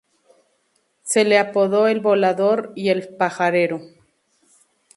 Se le apodó el Volador y el Pajarero.